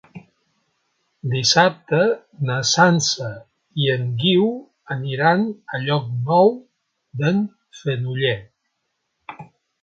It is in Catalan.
Dissabte na Sança i en Guiu aniran a Llocnou d'en Fenollet.